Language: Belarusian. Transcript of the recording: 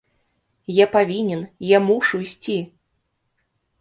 Я павінен, я мушу ісці!